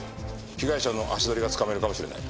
被害者の足取りがつかめるかもしれない。